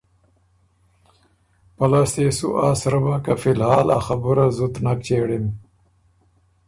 پۀ لاسته يې سو آ سرۀ بۀ که فی الحال ا خبُره زُت نک چېړِم۔